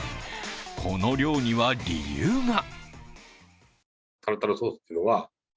この量には理由が。